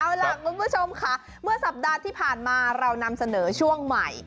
เอาล่ะคุณผู้ชมค่ะเมื่อสัปดาห์ที่ผ่านมาเรานำเสนอช่วงใหม่